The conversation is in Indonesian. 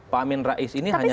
pak amin rais ini hanya